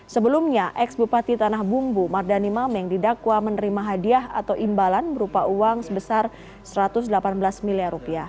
sebelumnya ex bupati tanah bumbu mardani mameng didakwa menerima hadiah atau imbalan berupa uang sebesar rp satu ratus delapan belas miliar